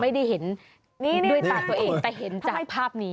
ไม่ได้เห็นด้วยตาตัวเองแต่เห็นจากภาพนี้